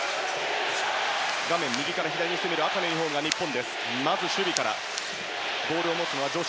画面右から左に攻める赤のユニホームが日本。